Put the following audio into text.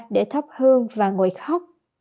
để thắp hương và ngồi khóc